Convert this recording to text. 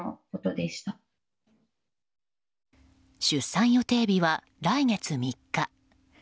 出産予定日は来月３日。